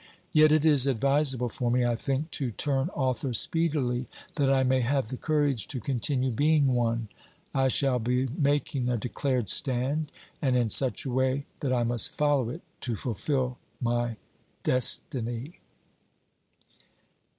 Yet it is advisable for me, I think, to turn author speedily, that I may have the courage to con tinue being one. I shall be making a declared stand, and in such a way that I must follow it to fulfil my destiny.